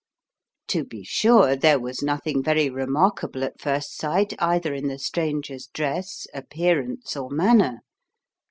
To be sure, there was nothing very remarkable at first sight either in the stranger's dress, appearance, or manner.